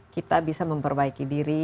kita bisa memperbaiki diri